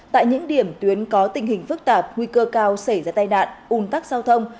tại những điểm tuyến có tình hình phức tạp nguy cơ cao xảy ra tai nạn un tắc giao thông